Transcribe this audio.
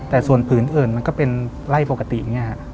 แต่ส่วนผืนอื่นมันก็เป็นไร่ปกติอย่างนี้ฮะ